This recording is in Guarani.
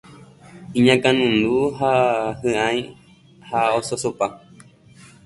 iñakãnundu ha hy'ái ha ososopa